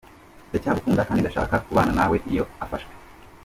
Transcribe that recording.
Ndacyagukunda kandi nshaka kubana nawe “iyo afashwe”.